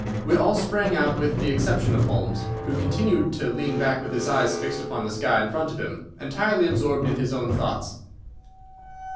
We all sprang out with the exception of Holmes, who continued to lean back with his eyes fixed upon the sky in front of him, entirely absorbed in his own thoughts.